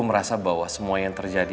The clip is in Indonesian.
merasa bahwa semua yang terjadi